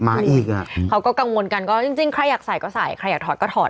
อีกอ่ะเขาก็กังวลกันก็จริงจริงใครอยากใส่ก็ใส่ใครอยากถอดก็ถอด